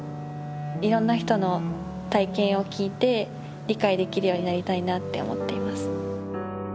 いろんな人の体験を聞いて理解できるようになりたいなって思っています。